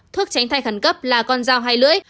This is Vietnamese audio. thuốc tránh thai khẩn cấp là con dao hai lưỡi